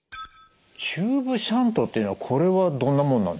チューブシャントというのはこれはどんなものなんですか？